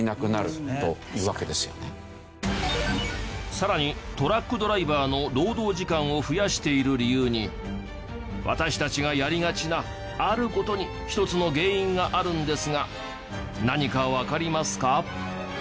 さらにトラックドライバーの労働時間を増やしている理由に私たちがやりがちなある事に一つの原因があるんですが何かわかりますか？